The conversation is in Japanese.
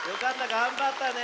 がんばったね。